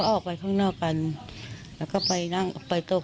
ส่วนนางสุธินนะครับบอกว่าไม่เคยคาดคิดมาก่อนว่าบ้านเนี่ยจะมาถูกภารกิจนะครับ